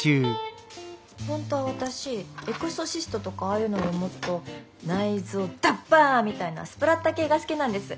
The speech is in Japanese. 本当は私「エクソシスト」とかああいうのよりもっと内臓ダッバンみたいなスプラッタ系が好きなんです。